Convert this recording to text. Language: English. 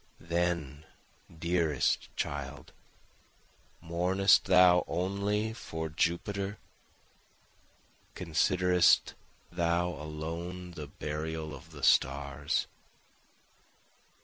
Then dearest child mournest thou only for jupiter? Considerest thou alone the burial of the stars?